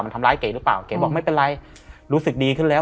มันทำร้ายเก๋หรือเปล่าเก๋บอกไม่เป็นไรรู้สึกดีขึ้นแล้ว